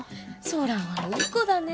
空はいい子だね